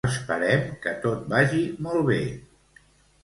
Esperem que tot vagi molt bé